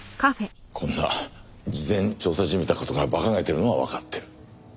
こんな事前調査じみた事がバカげてるのはわかってる。